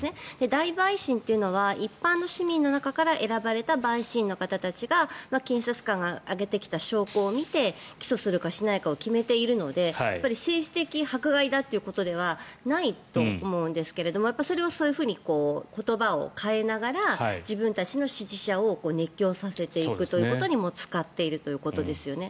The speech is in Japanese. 大陪審というのは一般の市民の中から選ばれた陪審員の方たちが検察官が上げてきた証拠を見て起訴するかしないかを決めているので政治的迫害だということではないと思うんですけれどもそれをそういうふうに言葉を変えながら自分たちの支持者を熱狂させていくということにも使っているということですよね。